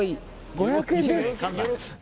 ５００円です。